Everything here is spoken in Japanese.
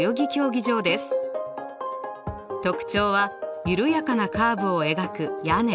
特徴は緩やかなカーブを描く屋根。